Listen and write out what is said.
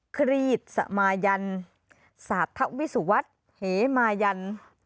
ครีสัมมายัณสาธวิสูวัตรเหมายัณ